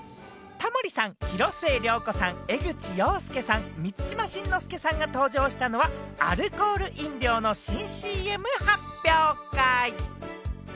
タモリさん、広末涼子さん、江口洋介さん、満島真之介さんが登場したのは、アルコール飲料の新ＣＭ発表会。